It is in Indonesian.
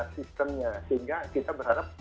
sistemnya sehingga kita berharap